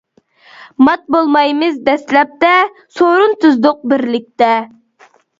مات بولمايمىز دەسلەپتە، سورۇن تۈزدۇق بىرلىكتە.